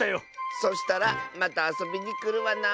そしたらまたあそびにくるわな。